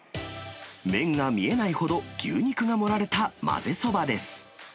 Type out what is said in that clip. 麺が見えないほど牛肉が盛られた混ぜそばです。